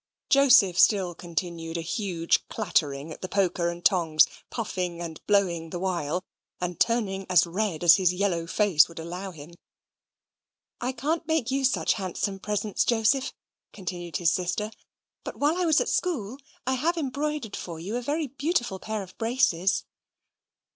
Joseph still continued a huge clattering at the poker and tongs, puffing and blowing the while, and turning as red as his yellow face would allow him. "I can't make you such handsome presents, Joseph," continued his sister, "but while I was at school, I have embroidered for you a very beautiful pair of braces."